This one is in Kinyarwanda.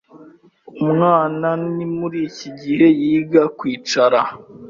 Umwana ni muri iki gihe yiga kwicara,